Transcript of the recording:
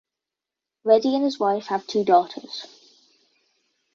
Reddy and his wife have two daughters.